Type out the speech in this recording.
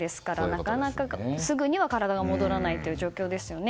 なかなか、すぐには体が戻らないという状況ですよね。